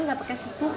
nggak pakai susu